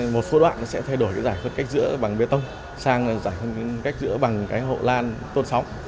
một số đoạn sẽ thay đổi cái giải phân cách giữa bằng bê tông sang giải phân cách giữa bằng cái hộ lan tôn sóng